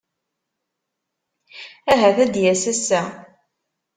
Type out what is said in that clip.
Ahat ad d-yas ass-a.